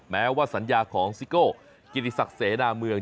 แม้ว่าสัญญาของซิโก้กิติศักดิ์เสนาเมือง